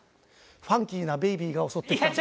ファンキーなベイビーが襲ってきたんですよ。